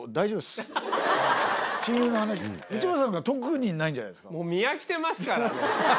内村さんなんか特にないんじゃないですか？